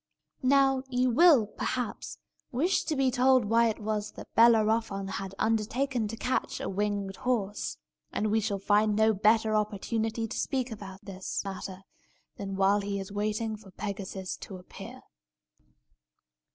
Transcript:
Now you will, perhaps, wish to be told why it was that Bellerophon had undertaken to catch the winged horse. And we shall find no better opportunity to speak about this matter than while he is waiting for Pegasus to appear.